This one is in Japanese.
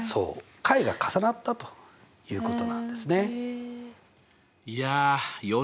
解が重なったということなんですね。